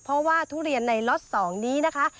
เพราะว่าทุเรียนในล็อต๒นี้นะคะ